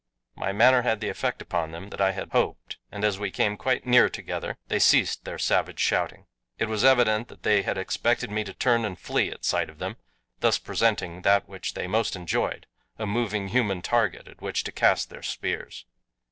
My manner had the effect upon them that I had hoped, and as we came quite near together they ceased their savage shouting. It was evident that they had expected me to turn and flee at sight of them, thus presenting that which they most enjoyed, a moving human target at which to cast their spears.